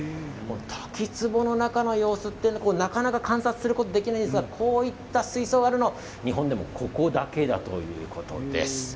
滝つぼの中の様子というのはなかなか観察することができないですが、こういった水槽があるのは日本でもここだけだということです。